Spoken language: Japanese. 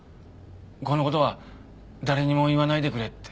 このことは誰にも言わないでくれって。